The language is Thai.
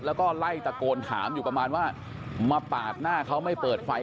แล้วก็ไล่ตะโกนถามอยู่ประมาณว่ามาปาดหน้าเขาไม่เปิดไฟ